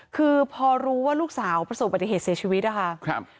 คือพอรู้ว่าลูกสาวประสบปฏิเหตุเสียชีวิตนะคะ